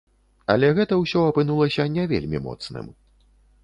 Але гэта ўсё апынулася не вельмі моцным.